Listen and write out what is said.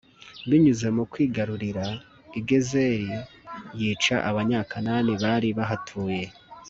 binyuze mu kwigarurira i gezeri yica abanyakanani bari bahatuye